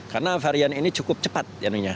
karena varian ini cukup cepat